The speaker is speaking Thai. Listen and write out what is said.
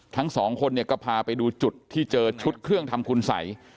ทั้งสองคนเนี่ยก็พาไปดูจุดที่เจอชุดเครื่องทำคุณสัย